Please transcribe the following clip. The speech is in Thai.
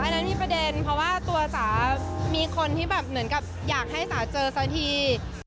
อันนั้นมีประเด็นเพราะว่าตัวจ๋ามีคนที่แบบเหมือนกับอยากให้จ๋าเจอสักที